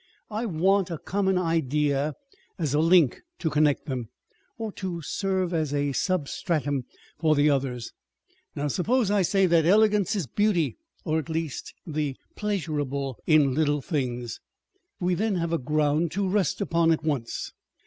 I want a common idea as a link to connect them, or to serve as a substratum for the others. Now suppose I say that elegance is beauty, or at least tlie pleasurable in little things : we then have a ground to rest upon at once.